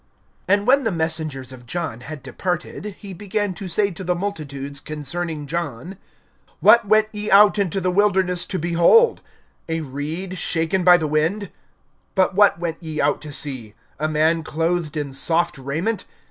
(24)And when the messengers of John had departed, he began to say to the multitudes concerning John: What went ye out into the wilderness to behold? A reed shaken by the wind? (25)But what went ye out to see? A man clothed in soft raiment?